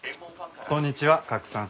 こんにちは賀来さん。